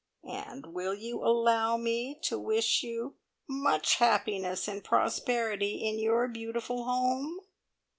"And will you allow me to wish you much happiness and prosperity in your beautiful home?"